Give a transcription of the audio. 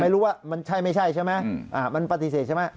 ไม่รู้ว่ามันใช่ไม่ใช่ใช่ไหมมันปฏิเสธใช่ไหม